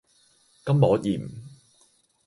筋膜炎